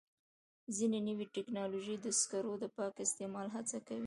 ځینې نوې ټکنالوژۍ د سکرو د پاک استعمال هڅه کوي.